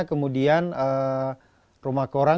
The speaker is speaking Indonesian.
kemudian saya berada di rumah koran dan saya berada di rumah koran